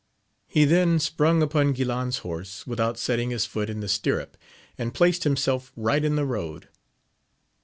He then sprung upon Guilan*s horse, without setting his foot in the stirrup, and placed himself right in the road.